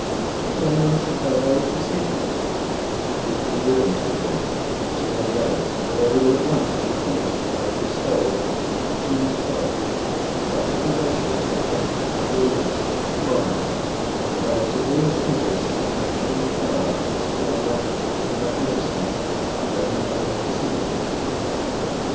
If anyone should divulge the secret, it would be ruin to him and to many others; for they would at once be punished by the bestowal of the extremest wealth, by degradation to the rank of rulers and commanders, and by the severest rigors of luxury, power, splendor, and magnificence known among the Kosekin.